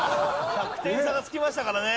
１００点差がつきましたからね。